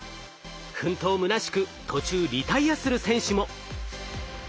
奮闘むなしく途中リタイアする選手も。